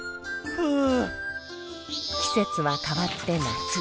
ふう。